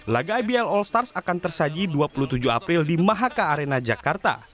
laga ibl all stars akan tersaji dua puluh tujuh april di mahaka arena jakarta